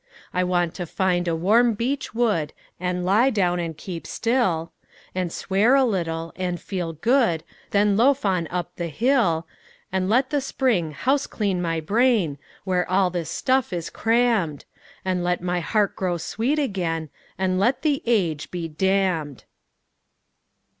I want to find a warm beech wood, And lie down, and keep still; And swear a little; and feel good; Then loaf on up the hill, And let the Spring house clean my brain, Where all this stuff is crammed; And let my heart grow sweet again; And let the Age be damned.